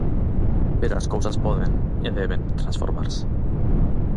Pero as cousas poden, e deben, transformarse.